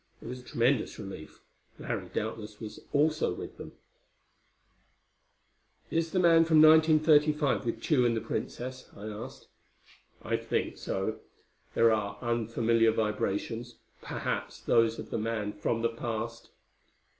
It was a tremendous relief. Larry doubtless was with them also. "Is the man from 1935 with Tugh and the Princess?" I asked. "I think so. There are unfamiliar vibrations perhaps those of the man from the past."